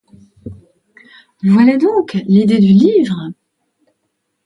Voilà donc l’idée du livre.